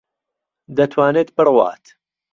دەتوانێت بڕوات.